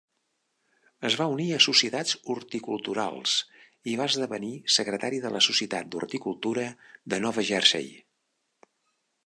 Es va unir a societats horticulturals i va esdevenir secretari del la Societat d'Horticultura de Nova Jersey.